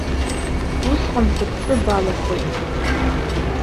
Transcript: Усҟан сыԥсы балахоит.